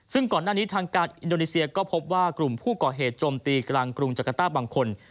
ซึ่งก่อนหน้านี้ทางการอินโดนีเซียก็พบว่ากลุ่มผู้ก่อเหตุโจมตีกลางกรุงจักรต้าบางคน